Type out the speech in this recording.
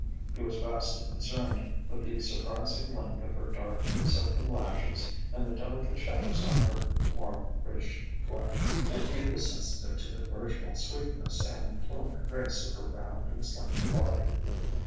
He was vastly concerned with the surprising length of her dark silken lashes and the delicate shadows on her warm, rich flesh. And he was sensitive to the virginal sweetness and fluent grace of her round and slender body.